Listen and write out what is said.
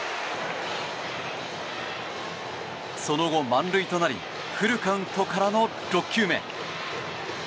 その後、満塁となりフルカウントからの６球目。